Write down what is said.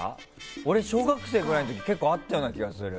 俺、小学生くらいの時結構あったような気がする。